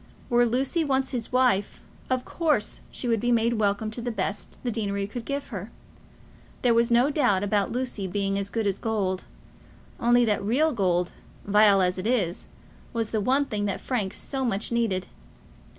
Were Lucy once his wife, of course she would be made welcome to the best the deanery could give her. There was no doubt about Lucy being as good as gold; only that real gold, vile as it is, was the one thing that Frank so much needed.